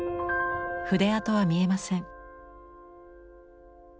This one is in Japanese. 筆跡は見えません。